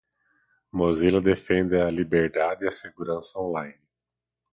Mozilla defende a liberdade e a segurança online.